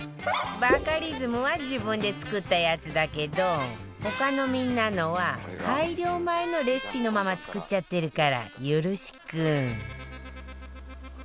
バカリズムは自分で作ったやつだけど他のみんなのは改良前のレシピのまま作っちゃってるからよろしく